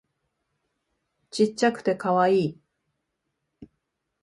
ちっちゃくてカワイイ